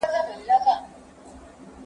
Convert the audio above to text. په نصيب يې وې ښادۍ او نعمتونه